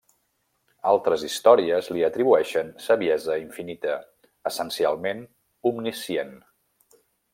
Altres històries li atribueixen saviesa infinita, essencialment omniscient.